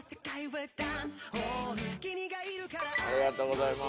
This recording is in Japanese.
ありがとうございます。